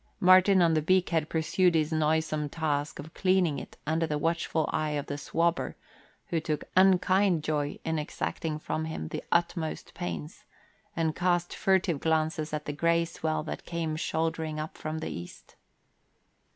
Martin on the beakhead pursued his noisome task of cleaning it under the watchful eye of the swabber (who took unkind joy in exacting from him the utmost pains), and cast furtive glances at the gray swell that came shouldering up from the east.